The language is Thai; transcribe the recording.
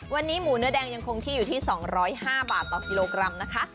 วันนี้หมูเนื้อแดงยังคงที่อยู่ที่๒๐๕บาทต่อกิโลกรัมนะคะ